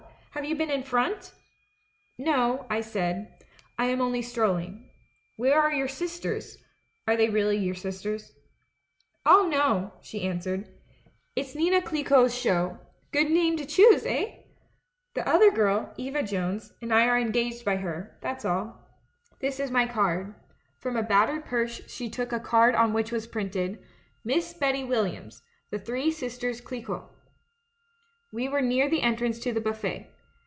Have you been in front ?' "'No,' I said; 'I am only strolling. Where are your sisters — are they really your sisters?' " 'Oh, no,' she answered. 'It's Nina Clicquot's show — good name to choose, eh? The other girl, Eva Jones, and I are engaged by her, that's all. A LETTER TO THE DUCHESS 185 This is my card.' From a battered purse she took a card on which was printed: 3Iiss Betty Williams The Three Sisters Clicquot "We were near the entrance to the buffet.